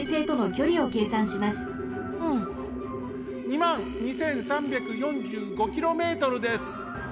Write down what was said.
２まん２，３４５キロメートルです。